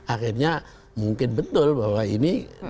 akhirnya mungkin betul bahwa ini